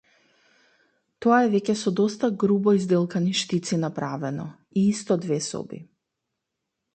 Тоа е веќе со доста грубо изделкани штици направено, и исто две соби.